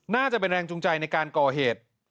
น่าจะเป็นแรงจูงใจในการก่อเหตุ